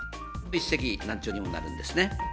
一石何鳥にもなるんですね。